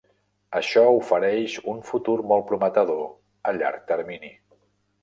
Això ofereix un futur molt prometedor a llarg termini.